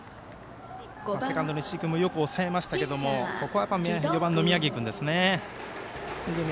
セカンドの石井君もよく抑えましたけどもここは４番の宮城君ですね。